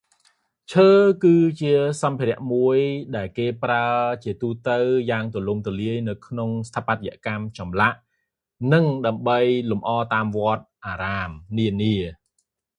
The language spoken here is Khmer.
ឈើ គឺជាសម្ភារៈមួយដែលគេប្រើជាទូទៅយ៉ាងទូលំទូលាយនៅក្នុងស្ថាបត្យកម្ម ចម្លាក់ និងដើម្បីលម្អតាមវត្ត អារាមនានា